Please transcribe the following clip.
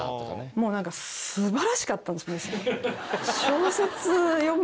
もうなんか素晴らしかったんです。